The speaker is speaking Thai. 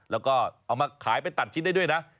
แล้วก็เอามาขายไปตัดชิ้นได้ด้วยนะ